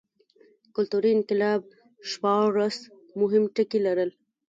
کلتوري انقلاب شپاړس مهم ټکي لرل.